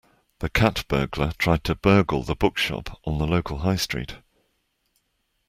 The cat burglar tried to burgle the bookshop on the local High Street